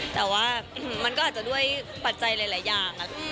แต่ว่ามันก็อาจจะด้วยปัจจัยหลายอย่าง